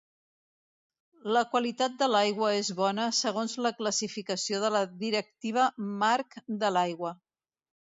La qualitat de l'aigua és Bona segons la classificació de la Directiva Marc de l'Aigua.